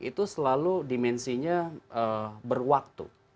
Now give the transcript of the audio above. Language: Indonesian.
itu selalu dimensinya berwaktu